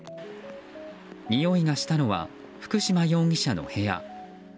においがしたのは福島容疑者の部屋。